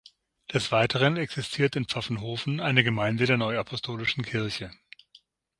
Des Weiteren existiert in Pfaffenhofen eine Gemeinde der Neuapostolischen Kirche.